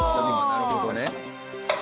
なるほどね。